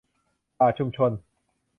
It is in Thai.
ป่าชุมชน